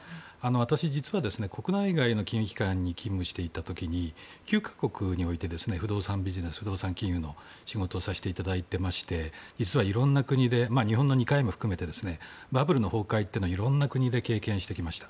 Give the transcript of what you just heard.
私、実は国内外の金融機関に勤務していた時に９か国において不動産ビジネス、不動産金融の仕事をさせていただいて実は、いろんな国で日本での２回も含めてバブルの崩壊っていろんな国で経験してきました。